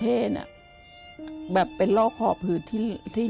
ทำงานชื่อนางหยาดฝนภูมิสุขอายุ๕๔ปี